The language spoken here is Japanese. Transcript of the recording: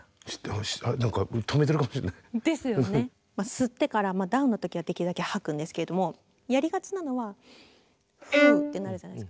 吸ってからダウンの時はできるだけはくんですけれどもやりがちなのはフーッてなるじゃないですか。